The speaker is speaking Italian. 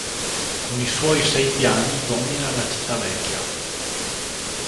Con i suoi sei piani domina la città vecchia.